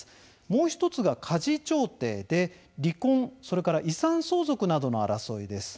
もう１つが家事調停で、離婚それから遺産相続などの争いです。